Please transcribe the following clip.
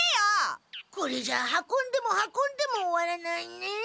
これじゃあ運んでも運んでも終わらないね。